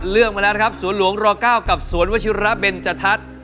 เลือกมาแล้วนะครับสวนหลวงร๙กับสวนวชิระเบนจทัศน์